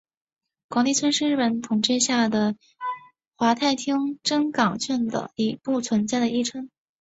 广地村是日本统治下的桦太厅真冈郡的已不存在的一村。